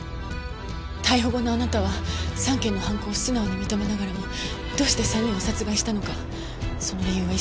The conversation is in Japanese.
逮捕後のあなたは３件の犯行を素直に認めながらもどうして３人を殺害したのかその理由は一切語っていません。